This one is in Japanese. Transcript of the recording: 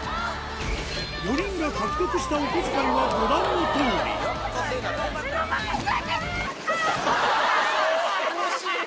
４人が獲得したお小遣いはご覧のとおり惜しい！